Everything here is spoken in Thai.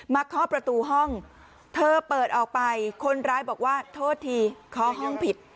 เคาะประตูห้องเธอเปิดออกไปคนร้ายบอกว่าโทษทีเคาะห้องผิด